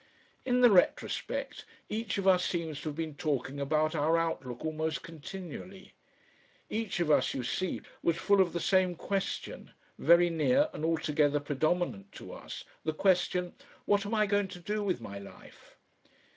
In the retrospect each of us seems to have been talking about our outlook almost continually. Each of us, you see, was full of the same question, very near and altogether predominant to us, the question: "What am I going to do with my life?"